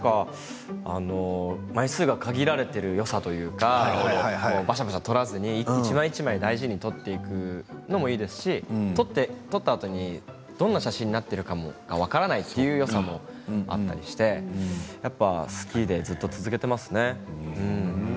枚数が限られているよさというかバシャバシャ撮らずに１枚ずつ大事に撮っていくのもいいですし撮ったあとに、どんな写真になっているか分からないというよさもあったりして好きでずっと続けていますね。